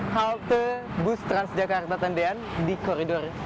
halte bus transjakarta tandian di koridor tiga belas